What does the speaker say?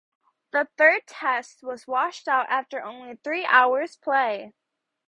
The Third Test was washed out after only three hours' play.